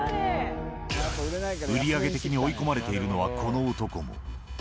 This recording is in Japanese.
売り上げ的に追い込まれているのはこの男も。